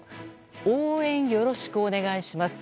応援よろしくお願いします。